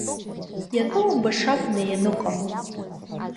Иатәоумбаша акәны ианыҟам.